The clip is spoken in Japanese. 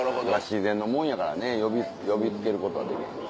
自然のもんやからね呼びつけることはでけへん。